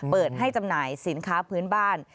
เปิดให้จำหน่ายสินค้าพื้นบ้าน